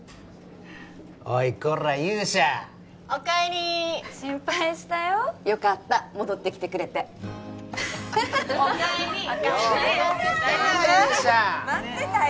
おいこら勇者おかえり心配したよよかった戻ってきてくれておかえり待ってたよ